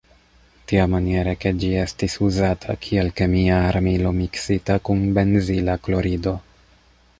Tiamaniere ke ĝi estis uzata kiel kemia armilo miksita kun benzila klorido.